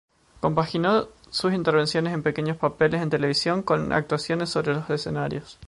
Compaginó sus intervenciones en pequeños papeles en televisión con actuaciones sobre los escenarios.